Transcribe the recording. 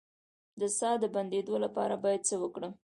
د ساه د بندیدو لپاره باید څه وکړم؟